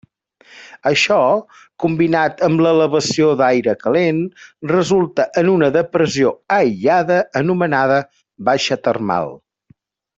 Això, combinat amb l'elevació d'aire calent, resulta en una depressió aïllada, anomenada baixa termal.